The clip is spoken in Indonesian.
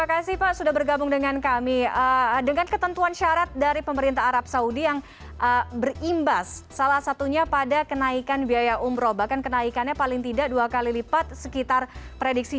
assalamualaikum selamat malam pak khoirizi